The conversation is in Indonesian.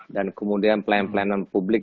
dan kemudian pelayanan pelayanan publik